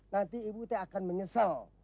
nanti ibu akan menyesal